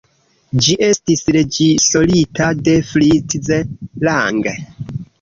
Ĝi estis reĝisorita de Fritz Lang.